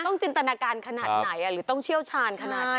จินตนาการขนาดไหนหรือต้องเชี่ยวชาญขนาดไหน